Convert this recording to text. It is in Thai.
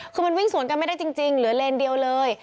คือมันวิ่งสวนกันไม่ได้จริงเหลือเลนเดียวเลย